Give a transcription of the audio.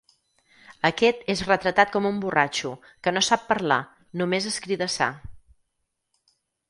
Aquest és retratat com un borratxo, que no sap parlar, només escridassar.